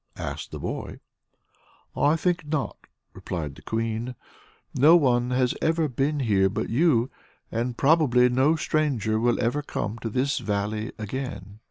asked the boy. "I think not," replied the Queen. "No one has ever been here but you, and probably no stranger will ever come to this Valley again."